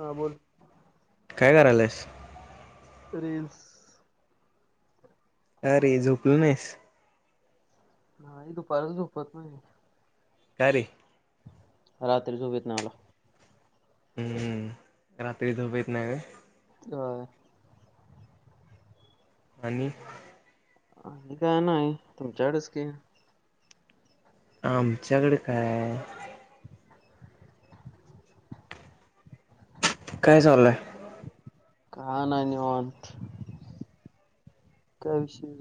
हा बोल करायलायस प्रेस अरे झोपला नाहीस हां मी दुपारच झोपत नाही का रे रात्री झोपे येत नाही मला हम्मम रात्री झोप येत नायं होय आणि आणि काय नाही तुमच्याकडच क आमच्याकडे काय काय चाललंय कायं नाही निवांत विषय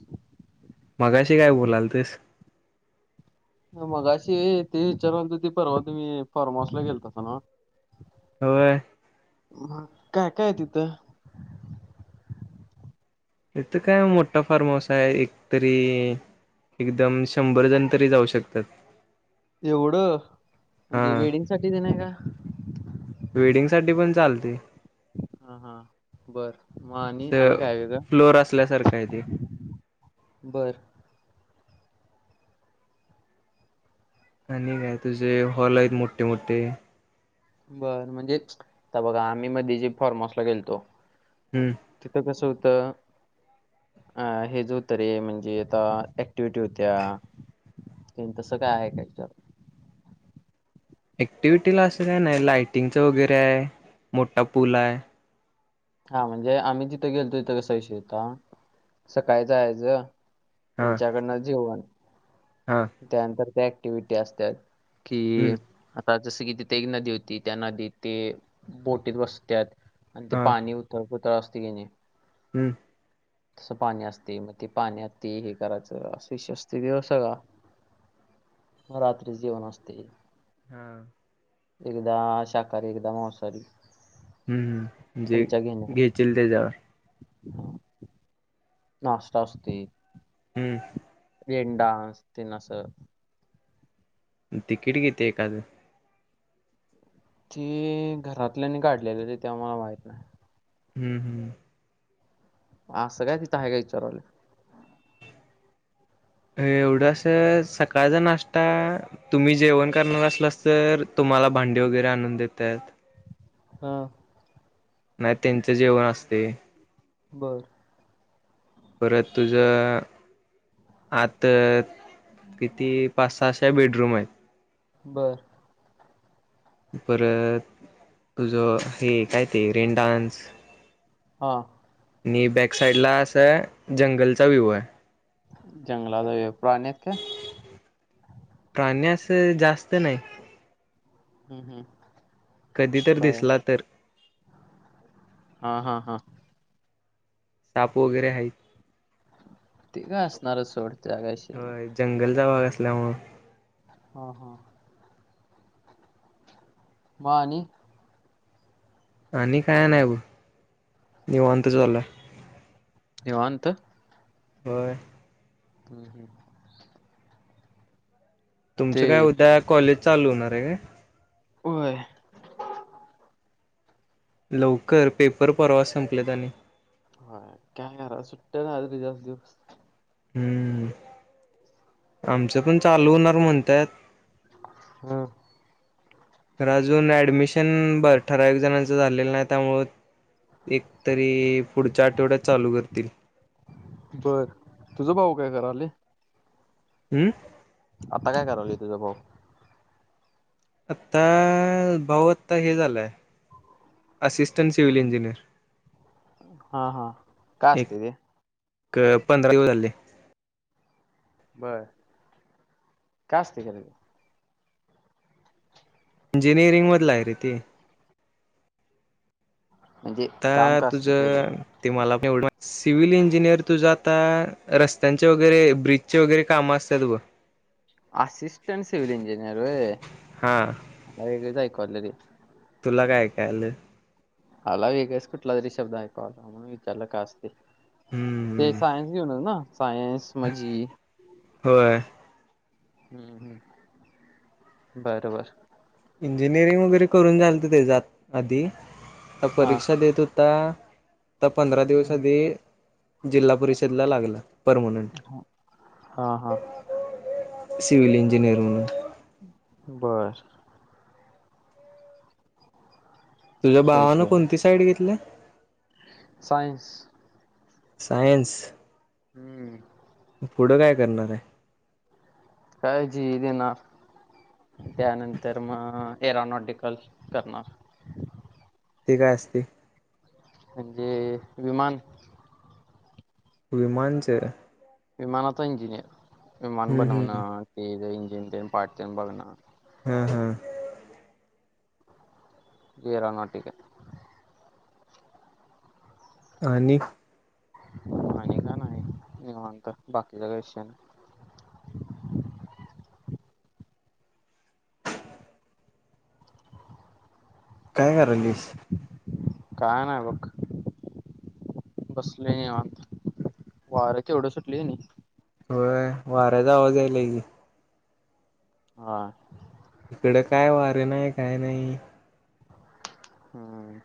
[unintelligible] मगाशी काय बो [unintelligible] मगाशी तेहे विचारत होतो की परवा तुम्ही फार्म हाऊसला ला गेलतास [unintelligible] होयं मग काय काय ये तिथं इथं काय मोठा फार्म हाऊस आहे एकतरी- एकदम शंभर जण तरी जाऊ शकतात हा एवढं-म्हणजे वेडिंग साठी देण का वेडिंग साठी पण चालते हा हा बर मग आणि आणि [unintelligible] काय वेगळं फ्लोर असल्यासारखयं ते बर आणि काय तुझे हॉल आहेत मोठे मोठे बर म्हणजे आता बघा आम्ही मध्ये जे फॉर्महाऊ सला गेलतो हम्म तिथं कसं [unintelligible] त-अं हेच होतरे म्हणजे आता ऍक्टिवटी होत्या तसं काय आहे का [unintelligible] ऍक्टिव्हटीला असं काही नाही लाइटिंगचं वगैरे आहे मोठा पूल आहे हा म्हणजे आम्ही जिथं गेलतो तिथं कसा विषय होता सकाळी जायचं हा त्यांच्याकडनं जेवण हा त्यानंतर त्या अँक्टिव्हिटी असत्यात की हम्म हां जसं की तिथं एक नदी होती त्या नदीत ते बोटीत बसत्यात हा पाणी हुतं [unintelligible] तळ असतो क नाही हम्म. तसं पाणी असतयं म ते पाण्यात ते हे करायचं असं विषय असतोय तो सगळा म रात्री जेवण असते. हां. एकदा शाकाहारी, एकदा मांसाहारी. हम्म. म्हणजे घेचील त्याच्यावर हां. नाष्टा असतोय. हम्म. ब्रेक डान्स तेन असं तिकीट किती एकाच? ते घरातल्यांनी काढल्यालं रे त्यामुळं माहित नाही. ह ह. असं काय तिथं हाय काय विचारालोय? एवढंस सकाळचा नाष्टा तुम्ही जेवण करणार असलास तर, तुम्हाला भांडी वगैरे आणून देत्यात. हा. नाही त्यांच जेवण असतयं. बरं. परत तुझ आत किती पाच-सहाशे त्या बेड रूम हाईत. बरं. परत तुझ हे काय ते रेन डान्स हा आणि बॅक साइड ला असं जंगलचा व्हिवो हाय. जंगलात प्राणी हाईत काय? प्राणी असं जास्त नाहीत. ह ह कधी तर दिसला तर? हा हा हा साप वगैरे हाईत. ते काय असणारचं सोड. त्या काय इशय नाय. असल्यामुळे हा, हा. मग आणि? आणि काय नाही बग. निवांत चालू हाय. निवांत. व्हय. [inaudible] ते तुमचं काय उद्या कॉलेज चालू होणार आहे काय? होय. लवकर पेपर परवा संपलेत आणि हो काय कराच सुट्ट्या नाहीत [unintelligible] हम्म, आमचं पण चालू होणार म्हणत्यात. ह. तर अजून ऍडमिशन बर ठराविक जणांचं झालेलं नाही त्यामुळं एक तरी पुढच्या आठवड्यात चालू करतील. बर तुझा भाऊ काय करालय? हम्म. आता काय करालय तुझा भाऊ? आता भाऊ आत्ता हे झालाय असिस्टंट सिवि्हल इंजिनियर. हा हा, काय असतय ते? अ पंधरा दिवस झाले. बर, काय असतय खर ते? इंजिनिअरिंग मधला आहे रे ते. म्हणजे काम आता काय तुझ असते ते रे ते मला सिव्हिल इंजिनियर तुझा आता रस्त्यांचे वगैरे ब्रिजचे वगैरे काम असत्यात ब असिस्टंट सिवल इंजिनियर होय. हा [unintelligible] [inaudible] [unintelligible] तुला काय ऐकाय आल? आला वेगळेच कुठला तरी शब्द ऐकू आला, म्हणून विचारला काय असत ते हम्म सायन्स घेऊनचा न सायंस मझी होय. हम्म हम्म बरोबर. इंजिनिअरिंग वगैरे करून झालत त्याच्यात आधी हा परीक्षा देत होता आता पंधरा दिवस हम्म. आधी जिल्हा परिषदला लागला. परमनंट ह हा हा. सिवल इंजिनीयर [unintelligible] बर. तुझ्या भावानं विषय आहे कोणती साईड घेतल्या? सायन्स सायन्स हम्म पुढं काय करणार आहे. काय जी ई देणार. त्यानंतर मग एरानॉटिकल करणार. ते काय असते. म्हणजे विमान. विमानचे विमानाचा इंजिनिअर. विमान हम्म बनवणार ते जा तेध पाठतेन बघणार. हम्म हम्म येरानाटिकल आणि आणि का नाही निवांत. बाकीच कशन काय नाही. कारालीस काय नाही बघ बसले निवांत. वारं केवढं सुटले आणि होय वाऱ्याचा आवाज यायलाय की. हा इकडे काय वारे नाही काय नाही. हम्म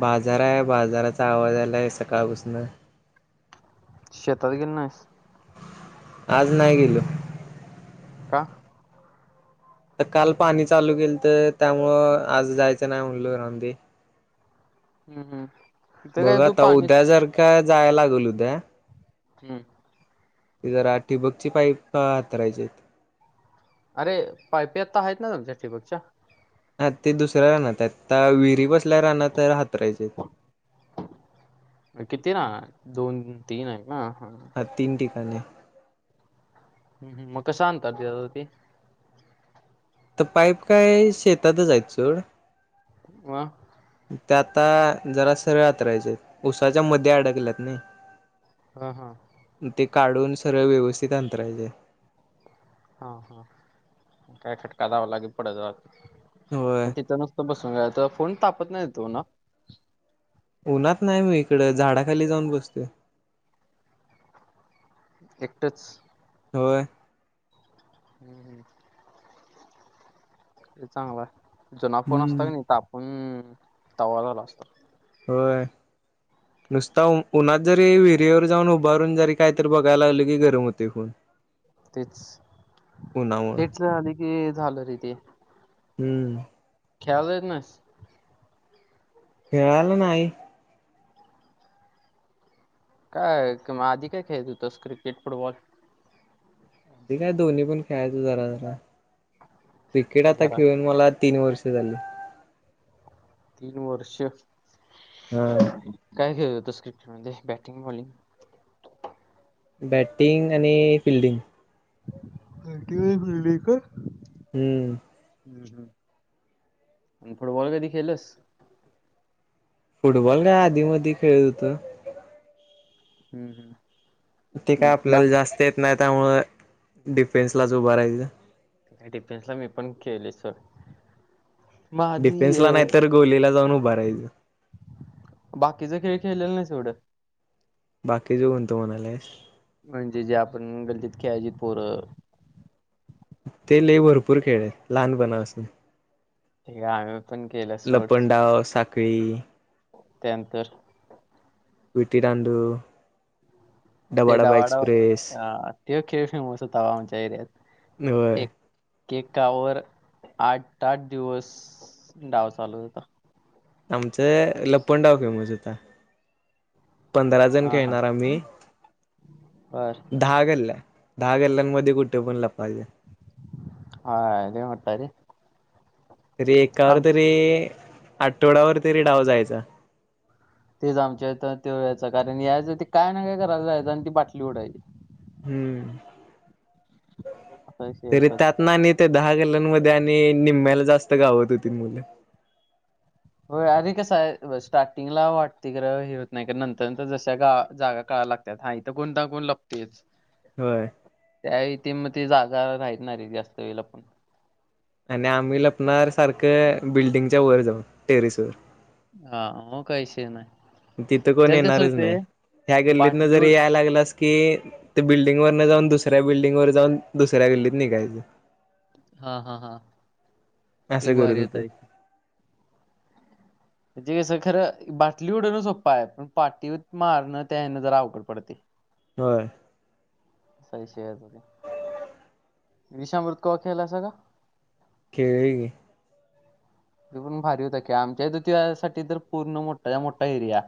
बाजार आहे बाजाराचा आवाज आलाय सकाळपासन. शेतात गेला नाहीस. आज नाही गेलो. का तर काल पाणी चालू केल तर त्यामुळं आज जायचं नाही म्हणलो राहून दे. हम्म हम्म तिथं काय बघा तू आता पाणी उद्या जारख काय जायला लागेल उद्या. हम्म ते जरा ठिबकची पाईप हातरायचे अरे पायपेता आहेत ना तुमच्या ठीबकच्या. ह ते दुसऱ्याला नत्यात तळ्याव विहिरी बस आपल्या रानात हातरायचे. किती ना दोन तीन आहे ना. हा तीन ठिकाणी. हम्म मग कस आणतात तर पाईप काय शेतातच आहेत चड वा ते आता जरा सरळ आतरायचे उसाच्या मध्ये अडकल्यात नाही. हा हा. ते काढून सरळ व्यवस्थित अंतरायचे हा हा काय खटका दाबाला की पुढं होय तिथं नुसतं बसून घ तर कोण तापत नाही तो ना. उन्हात नाही मी इकड झाडाखाली जाऊन बसतोय. एकटंच होय. हम्म हम्म. ते चांगलं आहे. जुना फोन असता कणी तापून तवा झाला असता. व्हय, नुसता उन्हात जरी विहिरीवर जाऊन उभारून जरी काहीतरी बघायला लागलं की गरम होते होय. तेच हिट झाली की झालं रे ते हम्म खेळायला जात नाहिस? खेळाला नाही काय की म आधी काय खेळत होतस क्रिकेट फुटबॉल? ते काय दोन्ही पण खेळायचो जरा जरा क्रिकेट आता जरा खेळून मला तीन वर्ष झाले. तीन वर्ष? ह. काय खेळत होतास क्रिक मध्ये बॅटिंग बॉलिंग? बॅटिंग आणि फिल्डिंग. आ बॅटिंग आणि फिल्डिंग काय? हम्म हम्म हम् अन फुटबॉल कधी खेलस? फुटबॉल काय आधी मधी खेळत होत हम्म हम्म ते काय आपल्याला जास्त येत नाहीत त्यामुळं डिफेन्सलाच उभं राहायच मी डिफेन्सला मी पण खेले सोड. डिफेन्सला नाही तर गोलीला जाऊन उभा राहायचं खेलेल नाहीस एवड बाकीचं कोणतं म्हणालास? म्हणजे जे आपण गल्लीत खेळायचीत पोरं ते ले भरपूर खेळले लहानपणाासून याअ लपंडाव सा कै त्यांतर विटी दांडू ते डबाडबा डवाड एक्सप्रेस अ ते खेळ आमच्या एरियात होय. एका वर आठ आठ दिवस डाव चालू होता. आमचं लपंडाव फेमस होता. पंधरा जण हा हा खेळणार आम्ही. बर दहा गल्ल्या दहा गल्ल्यांमध्ये कुठ पण लप हा लई मोठा आहे रे रे काल आम तरी आठवडा वर तरी डाव जायचा तेच आमच्याथ ते यायचा, कारण यायचं ते काय नाही काय करायला जायचं, आणि ती बाटली उडायची. हम्म. असा विषय तरी होता ते त्यात आणि ते दहा गे [inaudible] मध्ये आणि निम्म्याला जास्त गावत होती मुलं. होय अरे कसा होय स्टार्टिंगला वाटते, खरं होत नाही, का नंतरर जशा जागा काळाय लागतात, हा इथ कोणता कोण लागतेच होय. ते म ते जागा राहीत नाहीे जास्त वेळ लपून. आणि च्या वर जाऊ टेरिस वर. हा मग काय विषय नाही, तिथं कोण तरी कस येणारच होते. नाही बाटलूड कि ते बिल्डिंग वर न जाऊन दुसऱ्या, बिल्डिंग वर जाऊन दुसऱ्या गिल्लीत निघायचं. हा हा हा. एक असं करत भारी होता होतो. एक. म्हणजे कसं खरं बाटली उडवण सोप्पा आहे. पण पाटी मारणं त्यान जरा अवकड पडते. होय. संशयात. [inaudible] विषामृत कवा खेळलासा का? खेळलोय की. ते पण भारी होत. कि आमच्या इथ तर यासाठी तर पूर्ण मोठा मोठा एरिया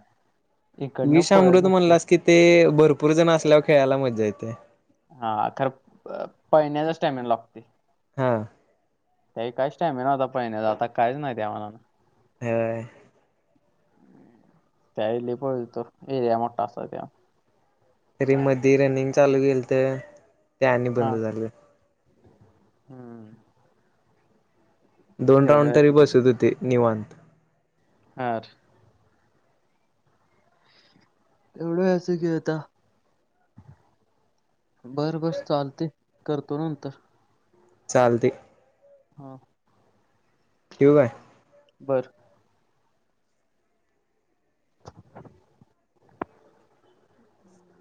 इकडनं विष पळत अमृत नसतं म्हणलास की, ते भरपूर जण असल्यावर खेळायला मज्जा येते. हा खरं प- पळण्याचा स्टॅमिना लागतय. हा. त्यावेळी काय टाईम होता पळण्याचा. आता काहीच नाही त्या मानानं. होय. त्यावेळी लय पळत होतं एरिया मोठा असल्यामुळ तरी मधे रनिंग चालू केेलत. ते आणि बंद झालं. हं. दोन राऊंड तरी की बसत होते निवा आठ. एवढं असं खेळता बर बर चालते करतो नंतर. चालतेय. हा. ठव काय. बर.